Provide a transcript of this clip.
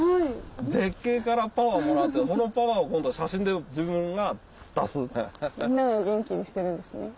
絶景からパワーもらってそのパワーを今度は写真で自分が出す。